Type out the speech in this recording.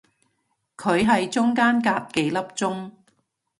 佢係中間隔幾粒鐘